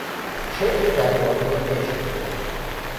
شعری دربارهی عشق نوشت.